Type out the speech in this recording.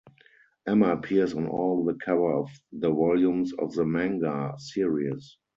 Emma appears on all the cover of the volumes of the manga series.